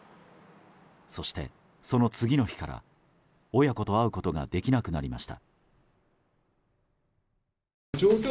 そして、その次の日から親子と会うことができなくなりました。